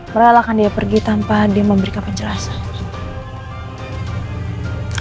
merelakan dia pergi tanpa dia memberikan penjelasan